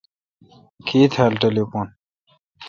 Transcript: کی تھال ٹلیفون ۔